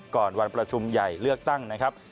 ก่อนวันประชุมใหญ่เลือกตั้งนะครับ